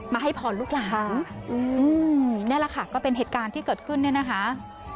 ให้พรลูกหลานนี่แหละค่ะก็เป็นเหตุการณ์ที่เกิดขึ้นเนี่ยนะคะ